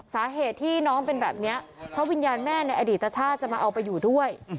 สาเหตุที่น้องเป็นแบบนี้เพราะวิญญาณแม่ในอดีตชาติจะมาเอาไปอยู่ด้วย